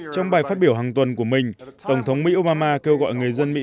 trong bài phát biểu hàng tuần của mình tổng thống mỹ obama kêu gọi người dân mỹ